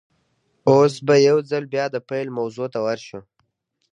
اوس به يوځل بيا د پيل موضوع ته ور شو.